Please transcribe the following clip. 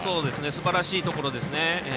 すばらしいところですね。